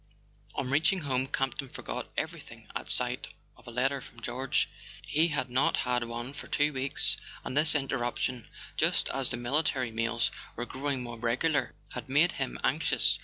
On reaching home, Campton forgot everything at sight of a letter from George. He had not had one for two weeks, and this interruption, just as the military mails were growing more regular, had made him anx¬ ious.